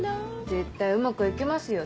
絶対うまく行きますよ